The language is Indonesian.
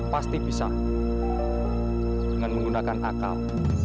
pasti bisa dengan menggunakan akal